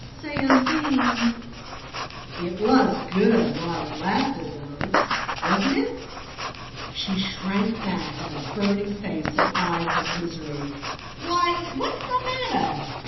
"Say, Undine it was good while it lasted, though, wasn't it?" She shrank back with a burning face and eyes of misery. "Why, what's the matter?